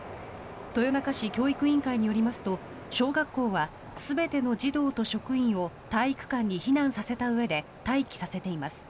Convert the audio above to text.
豊中市教育委員会によりますと小学校は全ての児童と職員を体育館に避難させたうえで待機させています。